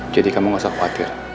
jadi kamu nggak usah khawatir